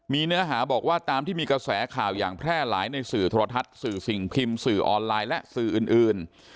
มีเนื้อหาบอกว่าตามที่มีกระแสข่าวอย่างแพร่หลายในสื่อโทรทัศน์สื่อสิ่งพิมพ์สื่อออนไลน์และสื่ออื่น